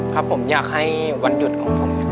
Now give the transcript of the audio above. ครับผมอยากให้วันหยุดของผม